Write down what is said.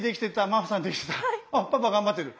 あっパパ頑張ってる。